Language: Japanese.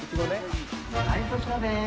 はいこちらです。